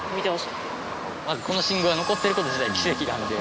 まずこの信号が残ってる事自体奇跡なので。